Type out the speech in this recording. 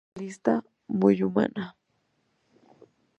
Muy realista, muy humana.